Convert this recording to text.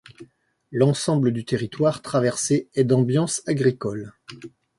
L'ensemble du territoire traversé est d'ambiance agricole.